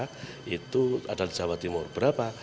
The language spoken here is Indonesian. karena itu adalah jawa timur berapa